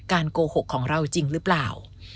โกหกของเราจริงหรือเปล่า